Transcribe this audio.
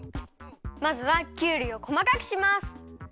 まずはきゅうりをこまかくします。